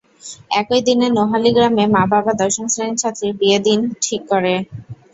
একই দিন নোহালী গ্রামে মা-বাবা দশম শ্রেণির ছাত্রীর বিয়ের দিন ঠিক করেন।